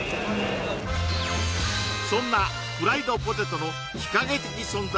そんなフライドポテトの日陰的存在